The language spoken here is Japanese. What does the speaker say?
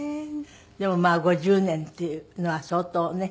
でもまあ５０年っていうのは相当ね。